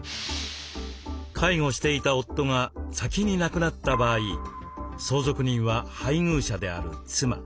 介護していた夫が先に亡くなった場合相続人は配偶者である妻。